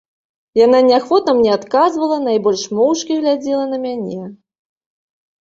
Яна неахвотна мне адказвала, найбольш моўчкі глядзела на мяне.